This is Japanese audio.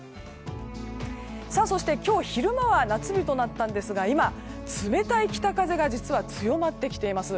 そして今日昼間は夏日となったんですが今、冷たい北風が実は強まってきています。